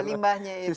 ya limbahnya itu